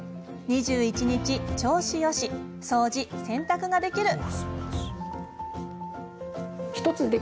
「２１日調子よし掃除、洗濯ができる」